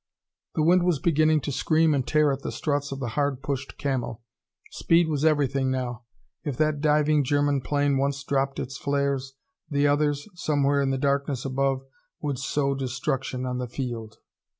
The wind was beginning to scream and tear at the struts of the hard pushed Camel. Speed was everything now. If that diving German plane once dropped its flares, the others, somewhere in the darkness above, would sow destruction on the field.